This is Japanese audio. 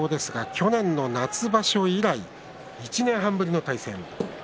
去年の夏場所以来１年半ぶりの対戦となります。